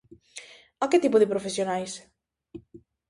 A que tipo de profesionais?